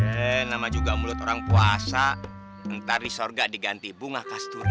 nama juga mulut orang puasa ntar di sorga diganti bunga kasturi